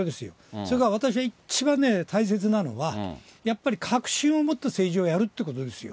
それから私が一番大切なのは、やっぱり確信を持って政治をやるということですよ。